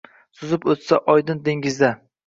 Suzib o’tsa oydin dengizda